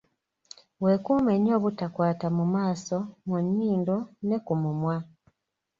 Weekuume nnyo obutakwata mu maaso, mu nnyindo ne ku mumwa.